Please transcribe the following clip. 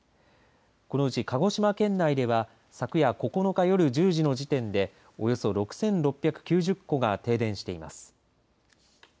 このうち鹿児島県内では昨夜９日夜１０時の時点でおよそ６６９０戸が停電しています。